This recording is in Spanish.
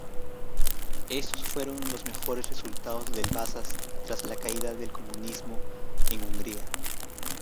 Estos fueron los mejores resultados del Vasas tras la caída del comunismo en Hungría.